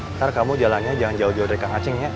ntar kamu jalannya jangan jauh jauh dari kak ngacingnya